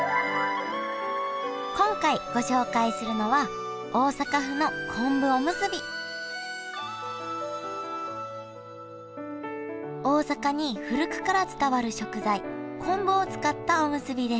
今回ご紹介するのは大阪に古くから伝わる食材昆布を使ったおむすびです。